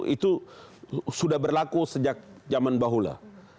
itu sudah berlaku sejak zaman bahula